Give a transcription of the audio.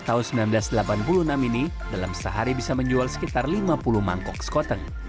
tahun seribu sembilan ratus delapan puluh enam ini dalam sehari bisa menjual sekitar lima puluh mangkok skoteng